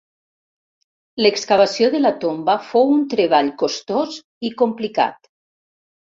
L'excavació de la tomba fou un treball costós i complicat.